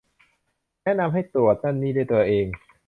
แนะนำให้ตรวจนั่นนี่ด้วยตัวเอง